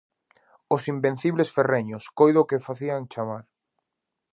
"Os invencibles ferreños", coido que facían chamar.